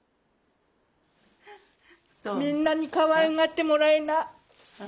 みんなにかわいがってもらいな。